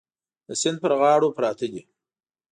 د سیند پر غاړو پراته دي.